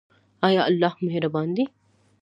آیا الله مهربان دی؟